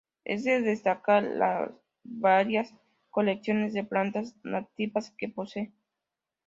Es de destacar las varias colecciones de plantas nativas que posee.